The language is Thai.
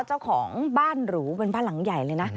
เจ้าของบ้านหรูเป็นบ้านหลังใหญ่เลยนะ